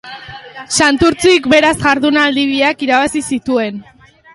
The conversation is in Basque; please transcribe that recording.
Santurtzik beraz jardunaldi biak irabazi zituen.